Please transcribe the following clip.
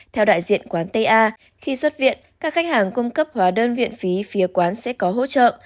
theo đại diện quán tây a khi xuất viện các khách hàng cung cấp hóa đơn viện phí phía quán sẽ có hỗ trợ